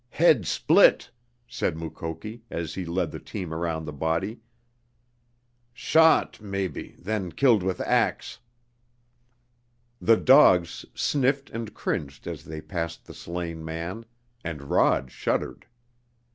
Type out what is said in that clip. "Head split," said Mukoki, as he led the team around the body. "Shot, mebby then killed with ax." The dogs sniffed and cringed as they passed the slain man, and Rod shuddered.